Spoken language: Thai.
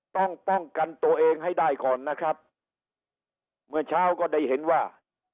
ต้องป้องกันตัวเองให้ได้ก่อนนะครับเมื่อเช้าก็ได้เห็นว่า